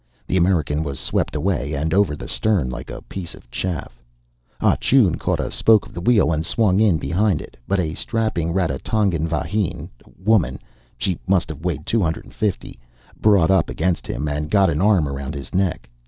The American was swept away and over the stern like a piece of chaff. Ah Choon caught a spoke of the wheel, and swung in behind it. But a strapping Raratonga vahine (woman) she must have weighed two hundred and fifty brought up against him, and got an arm around his neck.